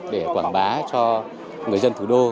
để quảng bá cho người dân thủ đô